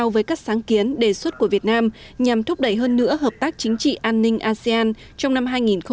tại hội nghị các quan chức cao cấp cao ghi nhận và thông qua đề xuất của việt nam nhằm thúc đẩy hơn nữa hợp tác chính trị an ninh asean trong năm hai nghìn hai mươi